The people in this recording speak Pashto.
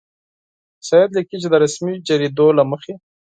سید لیکي چې د رسمي جریدو له مخې.